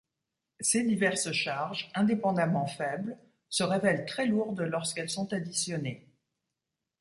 Ces diverses charges, indépendamment faibles, se révèlent très lourdes lorsqu'elles sont additionnées.